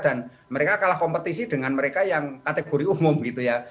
dan mereka kalah kompetisi dengan mereka yang kategori umum gitu ya